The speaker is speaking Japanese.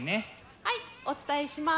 はいお伝えします。